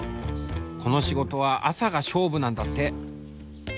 この仕事は朝が勝負なんだって。